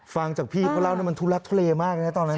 ฟังจากพี่เพราะเล่านั่นมันทุลักษณ์ทะเลมากเนี่ยตอนนั้น